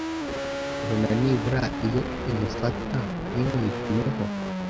Ubona nibura iyo imufata ntimwitumeho